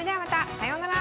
さようなら。